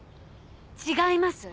違います！